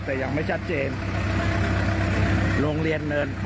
แต่ยังไม่ชัดเจนโรงเรียนเนิน